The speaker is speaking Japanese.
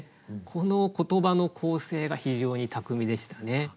この言葉の構成が非常に巧みでしたね。